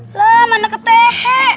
lah mana ke tehe